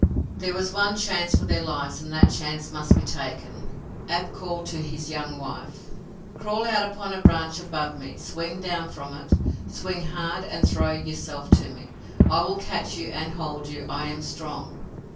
There was one chance for their lives and that chance must be taken. Ab called to his young wife: "Crawl out upon a branch above me, swing down from it, swing hard and throw yourself to me. I will catch you and hold you. I am strong."